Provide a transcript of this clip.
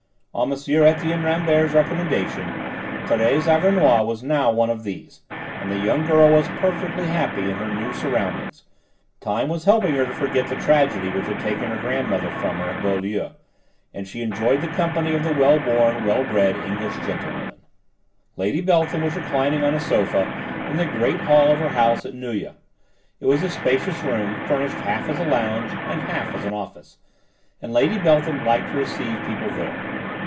On M. Etienne Rambert's recommendation, Thérèse Auvernois was now one of these, and the young girl was perfectly happy in her new surroundings; time was helping her to forget the tragedy which had taken her grandmother from her at Beaulieu, and she enjoyed the company of the well born, well bred English gentlewomen. Lady Beltham was reclining on a sofa in the great hall of her house at Neuilly. It was a spacious room, furnished half as a lounge and half as an office, and Lady Beltham liked to receive people there.